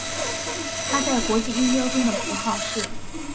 它在国际音标中的符号是。